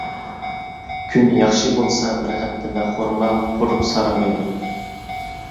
كۈن ياخشى بولسا بىر ھەپتىدە خورما قۇرۇپ سارغىيىدۇ.